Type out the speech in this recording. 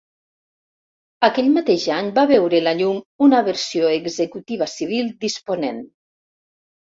Aquell mateix any va veure la llum una versió executiva civil, Disponent.